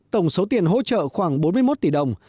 tổng số tiền hỗ trợ khoảng bốn mươi một tỷ đồng